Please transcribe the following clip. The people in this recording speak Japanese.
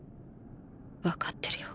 わかってるよ